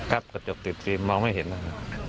กระจกติดฟิล์มมองไม่เห็นนะครับ